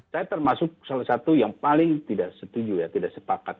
saya termasuk salah satu yang paling tidak setuju ya tidak sepakat